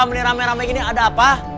beli rame rame gini ada apa